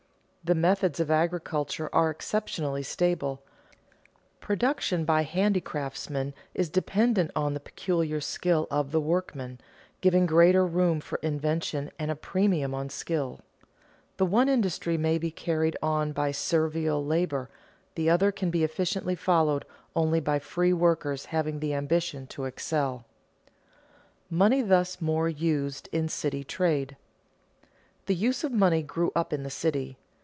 The methods of agriculture are exceptionally stable; production by handicraftsmen is dependent on the peculiar skill of the workman, giving greater room for invention and a premium on skill. The one industry may be carried on by servile labor; the other can be efficiently followed only by free workers having the ambition to excel. [Sidenote: Money thus more used in city trade] The use of money grew up in the city.